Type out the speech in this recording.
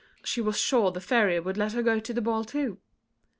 She was sure the Fairy would let her go to the ball too.